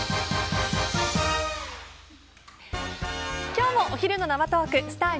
今日もお昼の生トークスター☆